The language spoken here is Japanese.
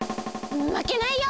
まけないよ！